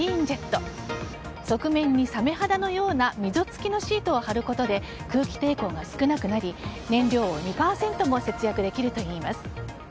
側面にサメ肌のような溝付きのシートを貼ることで空気抵抗が少なくなり、燃料を２％も節約できるといいます。